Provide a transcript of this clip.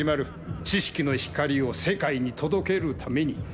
知識の光を世界に届けるために。